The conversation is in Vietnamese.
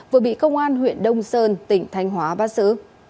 vừa bị công an huyện đông sơn tỉnh thanh hóa bắt xử